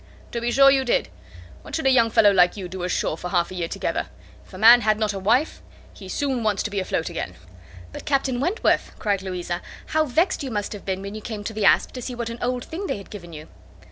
"To be sure you did. What should a young fellow like you do ashore for half a year together? If a man had not a wife, he soon wants to be afloat again." "But, Captain Wentworth," cried Louisa, "how vexed you must have been when you came to the Asp, to see what an old thing they had given you."